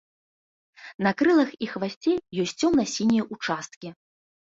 На крылах і хвасце ёсць цёмна-сінія ўчасткі.